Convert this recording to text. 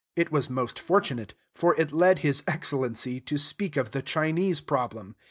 It was most fortunate; for it led his Excellency to speak of the Chinese problem.